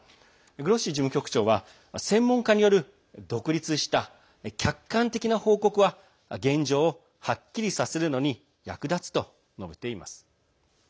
グロッシ事務局長は専門家による独立した客観的な報告は現状をはっきりさせるのに役立つと述べています。